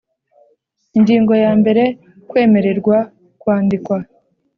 Ingingo ya mbere Kwemererwa kwandikwa